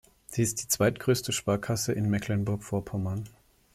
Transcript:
Sie ist die zweitgrößte Sparkasse in Mecklenburg-Vorpommern.